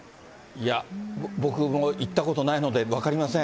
僕も行ったことないので分かりません。